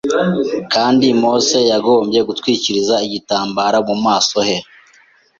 kandi Mose yagombye gutwikiriza igitambaro mu maso he.